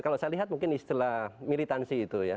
kalau saya lihat mungkin istilah militansi itu ya